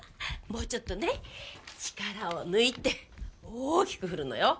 もうちょっとね力を抜いて大きく振るのよ。